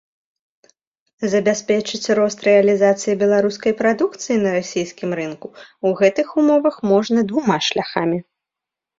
Забяспечыць рост рэалізацыі беларускай прадукцыі на расійскім рынку ў гэтых умовах можна двума шляхамі.